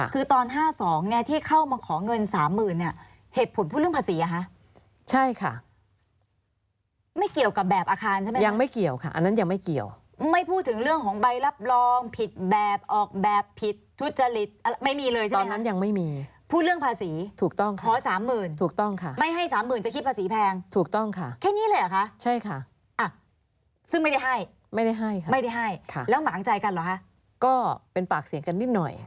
คือตอน๕๒ที่เข้ามาขอเงิน๓๐๐๐๐เนี่ยเหตุผลผู้เรื่องภาษีหรือคะใช่ค่ะไม่เกี่ยวกับแบบอาคารใช่ไหมยังไม่เกี่ยวค่ะอันนั้นยังไม่เกี่ยวไม่พูดถึงเรื่องของใบรับรองผิดแบบออกแบบผิดทุจริตไม่มีเลยใช่ไหมครับตอนนั้นยังไม่มีผู้เรื่องภาษีถูกต้องค่ะขอ๓๐๐๐๐ถูกต้องค่ะไม่ให้๓๐๐๐๐จะคิดภาษีแพงถ